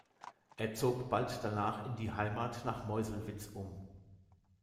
Er zog bald danach in die Heimat nach Meuselwitz um.